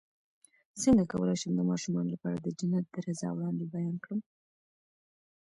څنګه کولی شم د ماشومانو لپاره د جنت د رضا وړاندې بیان کړم